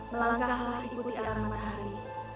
melangkahlah ikuti arah matahari